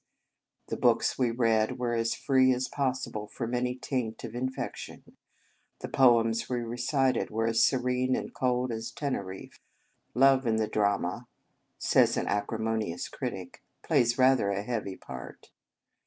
The books we read were as free as possible from any taint of infection. The poems we recited were as serene and cold as Teneriffe. " Love in the drama," says an acri monious critic, " plays rather a heavy part."